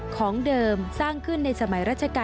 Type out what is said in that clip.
ของเดิมสร้างขึ้นในสมัยราชการ